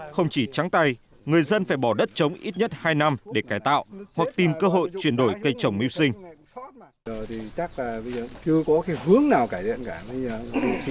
không chỉ trắng tay người dân phải bỏ đất chống ít nhất hai năm để cải tạo hoặc tìm cơ hội chuyển đổi cây trồng miêu sinh